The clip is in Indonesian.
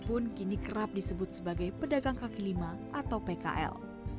pun kini kerap disebut sebagai pedagang kaki lima atau pkl